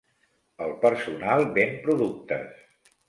El personal ven productes.